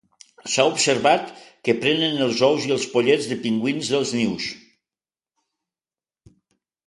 S'ha observat que prenen els ous i els pollets de pingüins dels nius.